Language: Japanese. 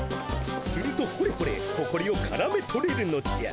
するとほれほれほこりをからめとれるのじゃ。